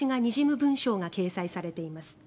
文章が掲載されています。